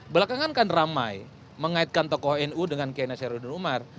belakangan kan ramai mengaitkan tokoh nu dengan kiai nasaruddin umar